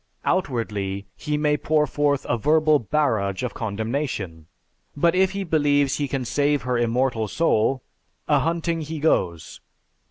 Outwardly, he may pour forth a verbal barrage of condemnation, but if he believes he can save her immortal soul, ahunting he goes.